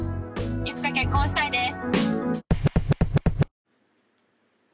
いつか結婚したいです。